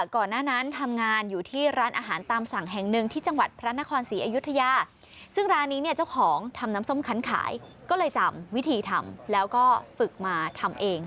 ก็เลยจำวิธีทำแล้วก็ฝึกมาทำเอง